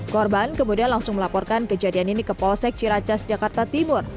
korban kemudian langsung melaporkan kejadian ini ke polsek ciracas jakarta timur